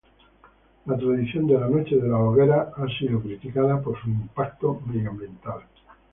La tradición de la Noche de hoguera ha sido criticada por su impacto ambiental.